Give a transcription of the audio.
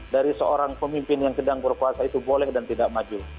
dari seorang pemimpin yang sedang berkuasa itu boleh dan tidak maju